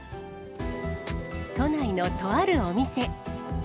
都内のとあるお店。